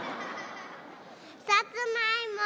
さつまいも。